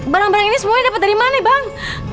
barang barang ini semuanya dapat dari mana bang